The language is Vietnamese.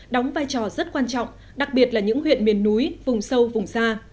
đóng vai trò rất quan trọng đặc biệt là những huyện miền núi vùng sâu vùng xa